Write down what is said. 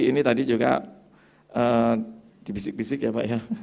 ini tadi juga dibisik bisik ya pak ya